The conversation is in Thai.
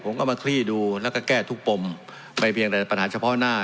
ผมก็มาคลี่ดูแล้วก็แก้ทุกปมไปเพียงแต่ปัญหาเฉพาะหน้า